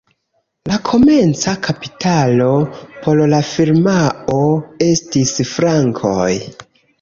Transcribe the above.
La komenca kapitalo por la firmao estis frankoj.